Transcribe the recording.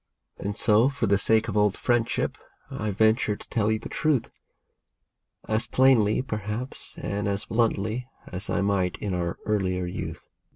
And so, for the sake of old friendship, I venture to tell you the truth, As plainly, perhaps, and as bluntly, as I might in our earlier youth.